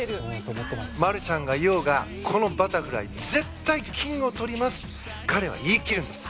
マルシャンがいようがこのバタフライ絶対金を取ります彼は言い切るんです。